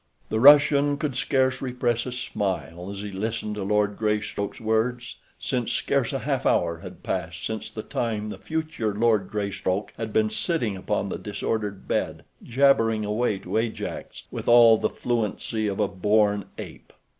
The Russian could scarce repress a smile as he listened to Lord Greystoke's words, since scarce a half hour had passed since the time the future Lord Greystoke had been sitting upon the disordered bed jabbering away to Ajax with all the fluency of a born ape.